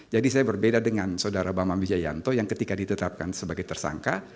jadi saya berbeda dengan saudara bambang wijayanto yang ketika ditetapkan sebagai tersangka